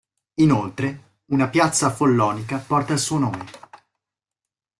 Inoltre, una piazza a Follonica porta il suo nome.